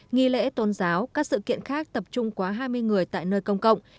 nghi lễ tôn giáo các sự kiện khác tập trung quá hai mươi người tại nơi công cộng